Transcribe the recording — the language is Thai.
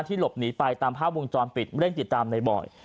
หลบหนีไปตามภาพวงจรปิดเร่งติดตามในบอย